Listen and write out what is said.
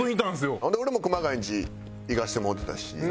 ほんで俺も熊谷んち行かせてもろてたし。